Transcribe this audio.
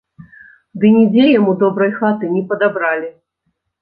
Ды нідзе яму добрай хаты не падабралі.